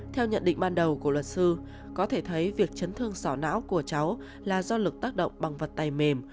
theo nhận định ban đầu của luật sư có thể thấy việc chấn thương sỏ não của cháu là do lực tác động bằng vật tay mềm